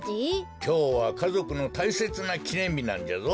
きょうはかぞくのたいせつなきねんびなんじゃぞ。